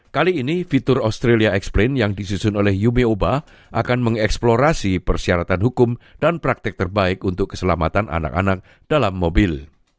kali ini fitur austrilia exprint yang disusun oleh ube oba akan mengeksplorasi persyaratan hukum dan praktek terbaik untuk keselamatan anak anak dalam mobil